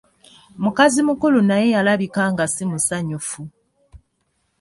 Mukazi mukulu naye yalabika nga simusanyufu.